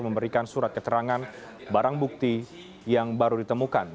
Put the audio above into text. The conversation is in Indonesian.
memberikan surat keterangan barang bukti yang baru ditemukan